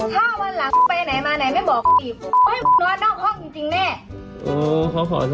ถ้าวันหลังไปไหนมาไหนไม่บอกอีกนอนนอกห้องจริงแน่